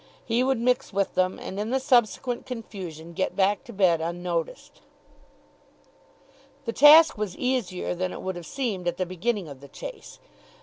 He would mix with them, and in the subsequent confusion get back to bed unnoticed. The task was easier than it would have seemed at the beginning of the chase. Mr.